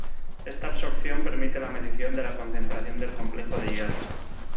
Esta absorción permite la medición de la concentración del complejo de hierro.